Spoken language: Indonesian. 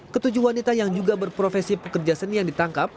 ketujuh wanita yang juga berprofesi pekerja seni yang ditangkap